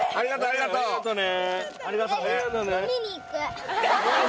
ありがとね。